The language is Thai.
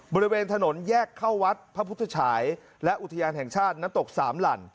บริเวณถนนแยกเข้าวัดพระพุทธฉายและอุทยานแห่งชาติน้ำตกสามหลั่น